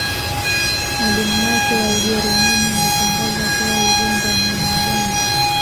Mwalimu wake wa Ujerumani alitangaza kuwa Uganda ni ya Waganda